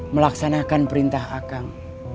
melaksanakan perintah akang